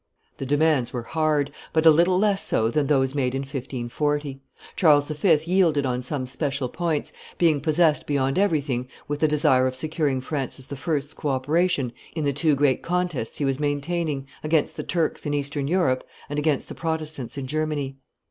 The demands were hard, but a little less so than those made in 1540; Charles V. yielded on some special points, being possessed beyond everything with the desire of securing Francis I.'s co operation in the two great contests he was maintaining, against the Turks in eastern Europe and against the Protestants in Germany.